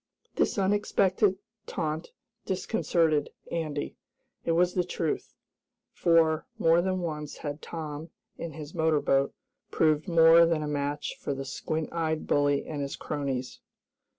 This unexpected taunt disconcerted Andy. It was the truth, for, more than once had Tom, in his motor boat, proved more than a match for the squint eyed bully and his cronies.